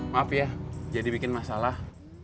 maaf ya jadi bikin masalah